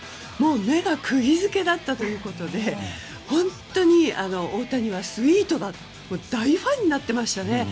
目が釘付けになったということで本当に大谷はスイートだと大ファンになってましたね。